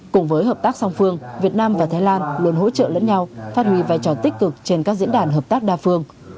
cùng với hợp tác song phương việt nam và thái lan luôn hỗ trợ lẫn nhau phát huy vai trò tích cực trên các diễn đàn hợp tác đa phương